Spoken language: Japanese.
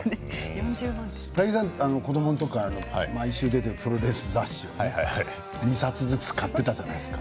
大吉さん、子どものころから毎週出ていたプロレス雑誌を２冊ずつ買っていたじゃない。